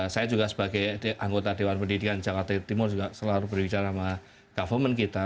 saya juga sebagai anggota dewan pendidikan jakarta timur juga selalu berbicara sama government kita